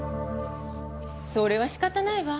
それは仕方ないわ。